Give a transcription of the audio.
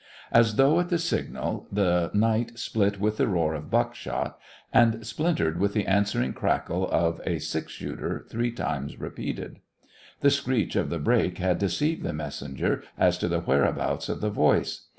As though at the signal the night split with the roar of buckshot, and splintered with the answering crackle of a six shooter three times repeated. The screech of the brake had deceived the messenger as to the whereabouts of the voice.